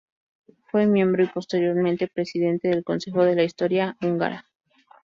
Fue miembro y posteriormente presidente del Consejo de la Historia Húngara.